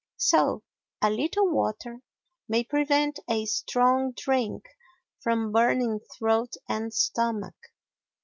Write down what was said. So, a little water may prevent a strong drink from burning throat and stomach.